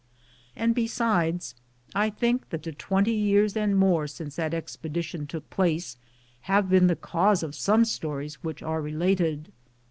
And besides, I think that the twenty years and more since that expedition took place have been the cause of some stories which are related.